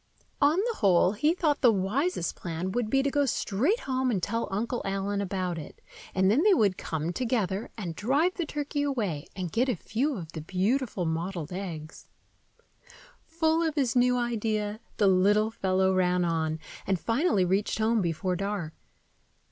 On the whole, he thought the wisest plan would be to go straight home and tell Uncle Allen about it; and then they would come together and drive the turkey away, and get a few of the beautiful mottled egg. Full of his new idea, the little fellow ran on, and finally reached home before dark.